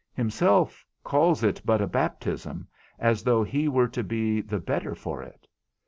Himself calls it but a baptism, as though he were to be the better for it.